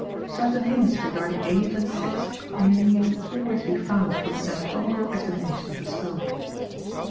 _ Certain hints regarding age and sex may nearly always be found from an anatomical examination of the skull.